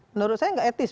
menurut saya gak etis